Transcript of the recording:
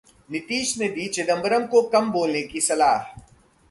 नीतीश ने दी चिदंबरम को कम बोलने की सलाह